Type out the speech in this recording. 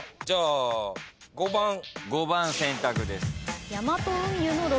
じゃあ５番。